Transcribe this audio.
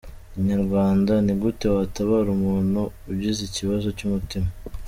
Inyarwanda: Ni gute watabara umuntu ugize ikibazo cy’umutima?.